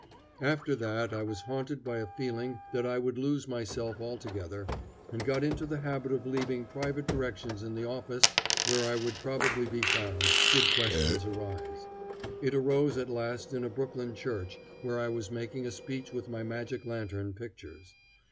After that I was haunted by a feeling that I would lose myself altogether, and got into the habit of leaving private directions in the office where I would probably be found, should question arise. It arose at last in a Brooklyn church where I was making a speech with my magic lantern pictures.